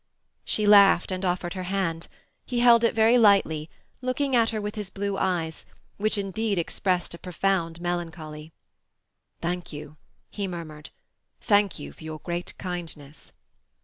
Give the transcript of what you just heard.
She laughed, and offered her hand. He held it very lightly, looking at her with his blue eyes, which indeed expressed a profound melancholy. "Thank you," he murmured. "Thank you for your great kindness."